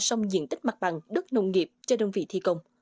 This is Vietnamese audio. xong diện tích mặt bằng đất nông nghiệp cho đơn vị thi công